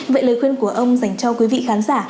vậy lời khuyên của ông dành cho quý vị khán giả